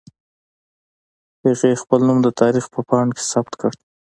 هغې خپل نوم د تاريخ په پاڼو کې ثبت کړ.